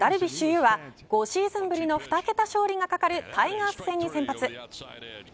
有は５シーズンぶりの２桁勝利がかかるタイガース戦に先発。